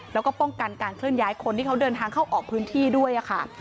แล้วก็ป้องกันการเคลื่อนย้ายคนที่เขาเดินทางเข้าออกพื้นที่ด้วยค่ะ